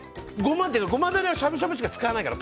ゴマダレはしゃぶしゃぶしか使わないから。